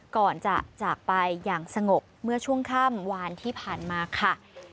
ก่อนจะจากไปอย่างสงบเมื่อช่วงค่ำวานที่ผ่านมาค่ะ